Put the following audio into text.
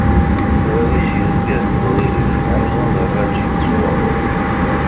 Bab-is yezga deg uɣilif, amzun d rraǧ i yeswa.